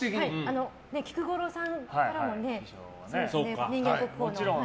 菊五郎さんからも人間国宝の。